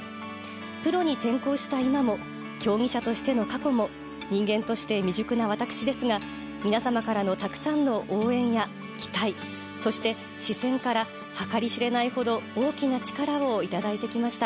プロに転向した今も競技者としての過去も人間として未熟な私ですが皆様からのたくさんの応援や期待そして、視線からはかり知れないほど大きな力をいただいてきました。